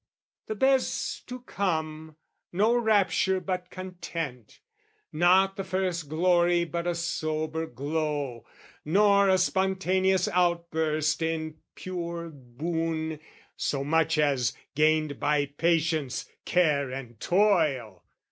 "The best's to come, no rapture but content! "Not the first glory but a sober glow, "Nor a spontaneous outburst in pure boon, "So much as, gained by patience, care and toil!"